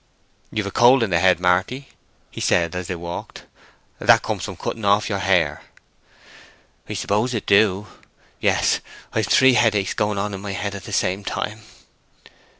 "You've a cold in the head, Marty," he said, as they walked. "That comes of cutting off your hair." "I suppose it do. Yes; I've three headaches going on in my head at the same time."